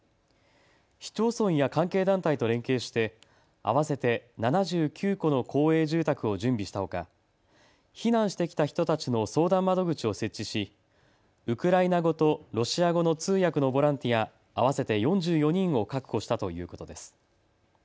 市町村や関係団体と連携して合わせて７９戸の公営住宅を準備したほか避難してきた人たちの相談窓口を設置しウクライナ語とロシア語の通訳のボランティア合わせて４４人を確保したということです。